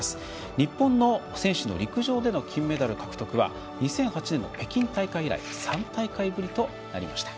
日本の選手の陸上での金メダル獲得は２００８年の北京大会以来３大会ぶりとなりました。